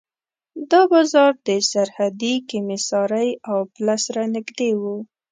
دا بازار د سرحدي کمېسارۍ او پله سره نږدې و.